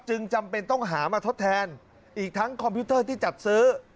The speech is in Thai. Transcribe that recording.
จำเป็นต้องหามาทดแทนอีกทั้งคอมพิวเตอร์ที่จัดซื้อ